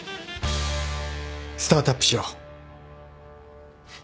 スタートアップしよう。